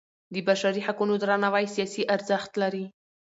د بشري حقونو درناوی سیاسي ارزښت دی